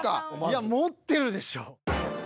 いや持ってるでしょ。